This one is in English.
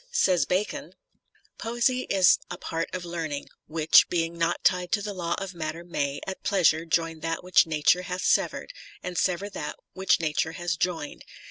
Says Bacon : Poesy is a part of learning ... which, being not tied to the law of matter may, at pleasure join that which Nature hath severed and sever that which Nature hath joined.